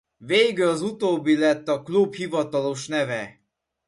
Végül az utóbbi lett a klub hivatalos neve.